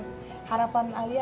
sekolah tadi juga emak gitu